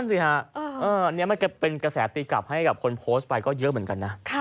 สิฮะอันนี้มันเป็นกระแสตีกลับให้กับคนโพสต์ไปก็เยอะเหมือนกันนะ